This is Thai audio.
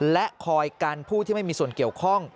และคอยกันผู้ที่ไม่มีส่วนเกี่ยวข้อง